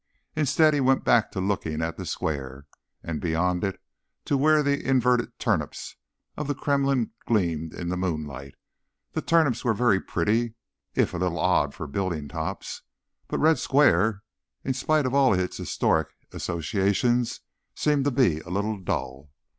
Instead, he went back to looking at the Square, and beyond it to where the inverted turnips of the Kremlin gleamed in the moonlight. The turnips were very pretty, if a little odd for building tops. But Red Square, in spite of all its historic associations, seemed to be a little dull.